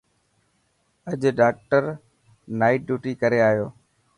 اڄ ڊاڪٽر نائٽ ڊيوٽي ڪري آيو.